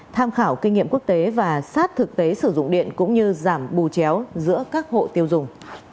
tham khảo kinh nghiệm quốc tế và sát thực tế sử dụng điện cũng như giảm bù chéo giữa các hộ tiêu dùng